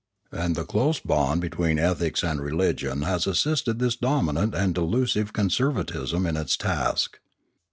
And the close bond between ethics and religion has assisted this dominant and delusive conservatism in its task.